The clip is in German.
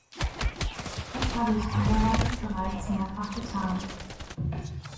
Das habe ich anderweitig bereits mehrfach getan.